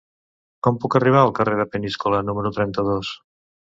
Com puc arribar al carrer de Peníscola número trenta-dos?